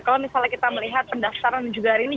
kalau misalnya kita melihat pendaftaran dan juga hari ini